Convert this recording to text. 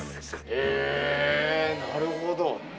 へぇなるほど。